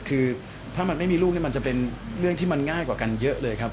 คือถ้ามันไม่มีลูกนี่มันจะเป็นเรื่องที่มันง่ายกว่ากันเยอะเลยครับ